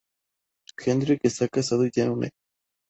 Hendrik está casado y tiene una hija.